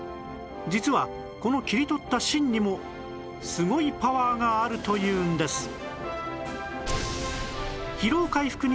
実はこの切り取った芯にもすごいパワーがあるというんです